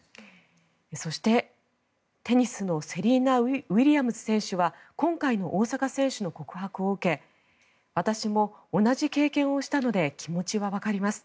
そして、テニスのセリーナ・ウィリアムズ選手は今回の大坂選手の告白を受け私も同じ経験をしたので気持ちはわかります